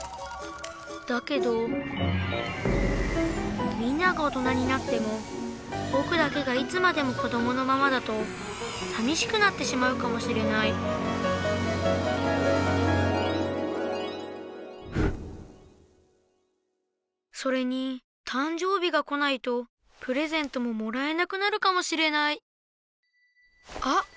だけどみんなが大人になってもぼくだけがいつまでもこどものままだとさみしくなってしまうかもしれないそれにたんじょう日が来ないとプレゼントももらえなくなるかもしれないあ！